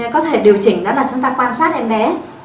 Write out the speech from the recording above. có thể điều chỉnh đó là chúng ta quan sát em bé